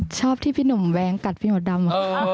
ชอบที่พี่หนุ่มแว้งกัดพี่มดดำ